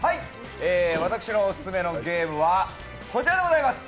私のオススメのゲームは、こちらでございます。